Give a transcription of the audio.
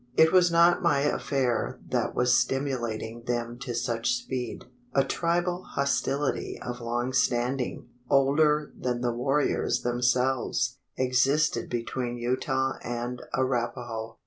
It was not my affair that was stimulating them to such speed. A tribal hostility of long standing older than the warriors themselves existed between Utah and Arapaho.